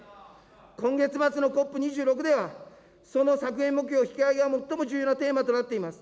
今月末のＣＯＰ２６では、その削減目標引き上げが最も重要なテーマとなっています。